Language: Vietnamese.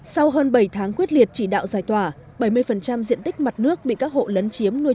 sau hơn bảy tháng quyết liệt chỉ đạo giải tỏa bảy mươi diện tích mặt nước bị các hộ lấn chiếm nuôi